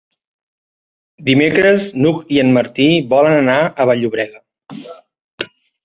Dimecres n'Hug i en Martí volen anar a Vall-llobrega.